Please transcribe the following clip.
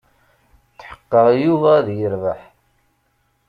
Tḥeqqeɣ Yuba ad yerbeḥ.